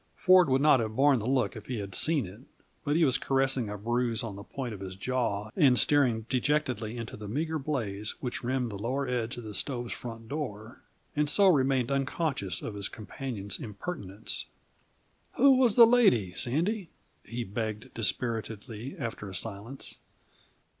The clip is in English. Ford would not have borne the look if he had seen it; but he was caressing a bruise on the point of his jaw and staring dejectedly into the meager blaze which rimmed the lower edge of the stove's front door, and so remained unconscious of his companion's impertinence. "Who was the lady, Sandy?" he begged dispiritedly, after a silence.